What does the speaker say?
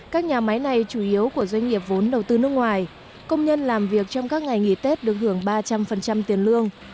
các nhà máy này chủ yếu của doanh nghiệp vốn đầu tư nước ngoài công nhân làm việc trong các ngày nghỉ tết được hưởng ba trăm linh tiền lương